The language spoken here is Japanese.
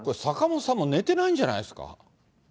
坂本さんも寝てないんじゃないですか？